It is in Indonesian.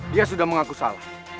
dia sudah mengaku salah